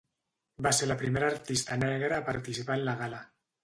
Va ser la primera artista negra a participar en la gala.